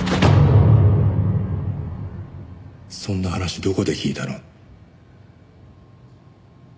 そんな話どこで聞いたの？